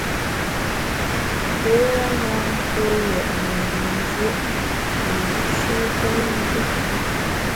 Njoya na ntue yètne yin dié wiyi’shi femnjù.